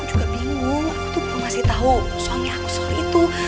aku juga bingung aku tuh belum ngasih tau suami aku soal itu